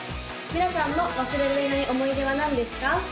皆さんの忘れられない思い出は何ですか？